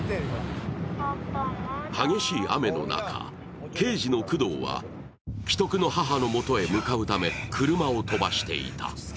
激しい雨の中、刑事の工藤は危篤の母のもとへ向かうため車を飛ばしていた。